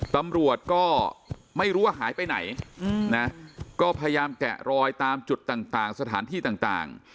ตำรวจก็ไม่รู้ว่าหายไปไหนนะก็พยายามแกะรอยตามจุดต่างสถานที่ต่าง